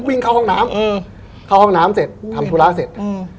วิ่งเข้าห้องน้ำเออเข้าห้องน้ำเสร็จทำธุระเสร็จอืม